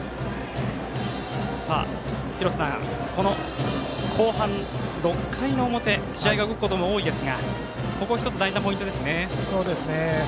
廣瀬さん、後半６回の表試合が動くことも多いですがここ１つ、大事なポイントですね。